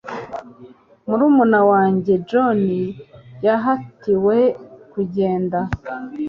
murumuna wanjye john yahatiwe kugenda